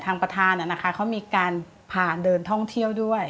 ทางประธานน่ะนะคะเขามีการผ่านเดินท่องเที่ยวด้วย